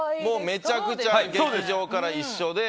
めちゃくちゃ劇場から一緒で。